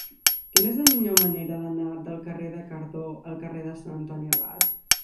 Quina és la millor manera d'anar del carrer de Cardó al carrer de Sant Antoni Abat?